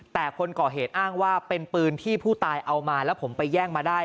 แต่คนก่อเหตุอ้างว่าเป็นปืนที่ผู้ตายเอามาแล้วผมไปแย่งมาได้